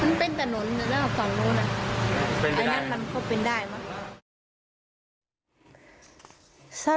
มันเป็นแต่หนุนเนี่ยแล้วกับฝั่งโน้นน่ะเป็นไปได้อันนั้นมันเข้าเป็นได้มาก